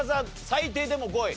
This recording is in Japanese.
最低でも５位。